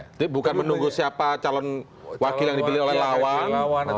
jadi bukan menunggu siapa calon wakil yang dipilih oleh lawan